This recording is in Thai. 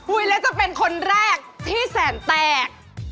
แล้วจะเป็นคนแรกที่แสนแตก